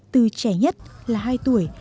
từ trẻ nhất là hai tuổi